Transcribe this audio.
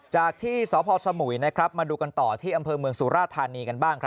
จากที่สพสมุยมาดูกันต่อที่อำเภอเมืองสุราธานีกันบ้างครับ